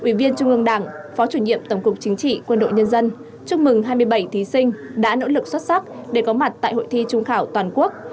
ủy viên trung ương đảng phó chủ nhiệm tổng cục chính trị quân đội nhân dân chúc mừng hai mươi bảy thí sinh đã nỗ lực xuất sắc để có mặt tại hội thi trung khảo toàn quốc